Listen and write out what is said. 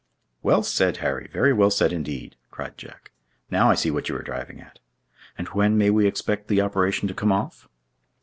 "Well said, Harry! Very well said indeed!" cried Jack. "Now I see what you are driving at. And when may we expect the operation to come off?"